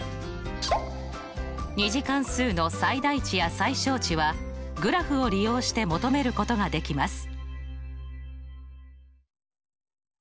２次関数の最大値や最小値はグラフを利用して求めることができます。